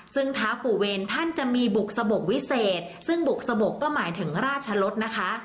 ซึ่งท้าปู่เวรท่านจะมีบุกสะบกวิเศษซึ่งบุกสะบกก็หมายถึงราชรสนะคะ